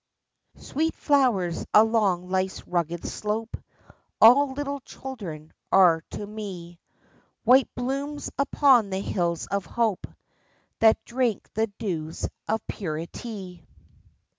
Sweet flowers along Life's rugged slope All little children are to me — White blooms upon the hills of Hope That drink the dews of Purity.